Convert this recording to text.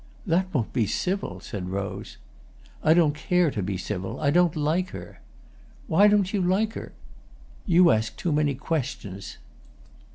"That won't be civil," said Rose. "I don't care to be civil. I don't like her." "Why don't you like her?" "You ask too many questions."